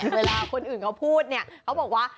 เวลาคนอื่นเขาพูดเนี่ยเขาบอกว่า